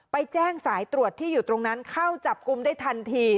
ไปแจ้งสายตรวจที่อยู่ตรงนั้นเข้าจับกลุ่มได้ทันที